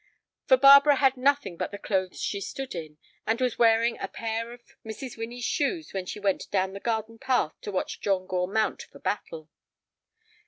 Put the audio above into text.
For Barbara had nothing but the clothes she stood in, and was wearing a pair of Mrs. Winnie's shoes when she went down the garden path to watch John Gore mount for Battle.